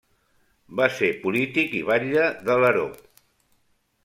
Va ser polític i batle d'Alaró.